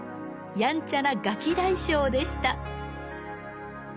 やんちゃなガキ大将でした。